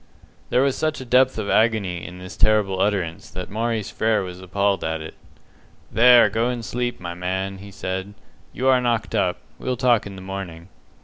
There was such a depth of agony in this terrible utterance that Maurice Frere was appalled at it. "There, go and sleep, my man," he said. "You are knocked up. We'll talk in the morning."